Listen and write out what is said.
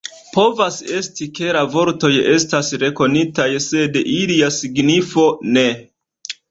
Povas esti, ke la vortoj estas rekonitaj, sed ilia signifo ne.